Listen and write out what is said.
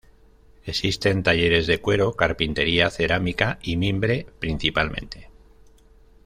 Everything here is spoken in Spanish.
Existen talleres de cuero, carpintería, cerámica y mimbre, principalmente.